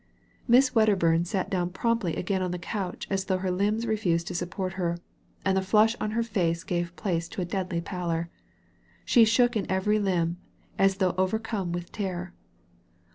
Miss Wedderbum sat down promptly again on the couch as though her limbs refused to support her, and the flush on her face gave place to a deadly pallor. She shook in every limb, as though over come with terror.